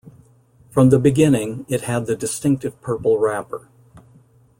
From the beginning, it had the distinctive purple wrapper.